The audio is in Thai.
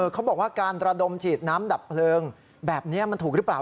เขาบอกว่าการระดมฉีดน้ำดับเพลิงแบบนี้มันถูกหรือเปล่า